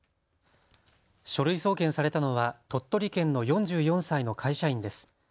書類送検されたのは鳥取県の４４歳の会社員です。